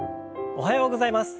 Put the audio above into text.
おはようございます。